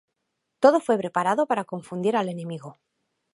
Todo fue preparado para confundir al enemigo.